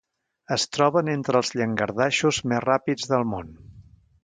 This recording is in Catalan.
Es troben entre els llangardaixos més ràpids del món.